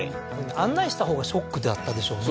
案内したほうがショックだったでしょうね